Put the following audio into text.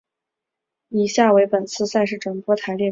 以下为本次赛事转播台列表。